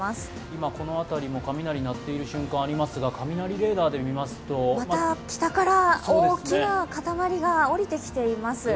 今この辺りも雷が鳴っている瞬間がありますが、雷レーダーで見ますとまた北から大きな塊が下りてきています。